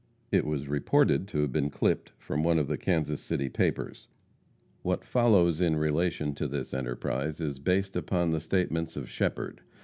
It was reported to have been clipped from one of the Kansas City papers. What follows in relation to this enterprise is based upon the statements of Shepherd.